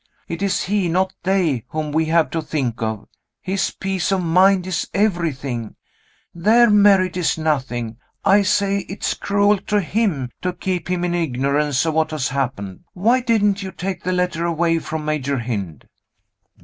It is he, not they, whom we have to think of his peace of mind is everything; their merit is nothing. I say it's cruel to him to keep him in ignorance of what has happened. Why didn't you take the letter away from Major Hynd?"